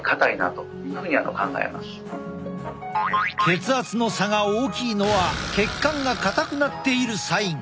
血圧の差が大きいのは血管が硬くなっているサイン。